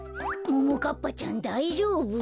ももかっぱちゃんだいじょうぶ？